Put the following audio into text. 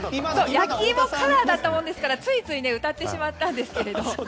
焼き芋カラーだったのでついつい歌ってしまったんですけれど。